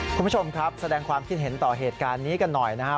คุณผู้ชมครับแสดงความคิดเห็นต่อเหตุการณ์นี้กันหน่อยนะครับ